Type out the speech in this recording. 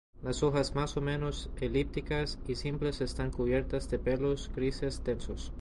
Las hojas más o menos elíptica, y simples están cubiertas de pelos grises densos.